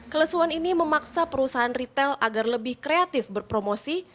kelesuan ini memaksa perusahaan retail agar lebih kreatif berpromosi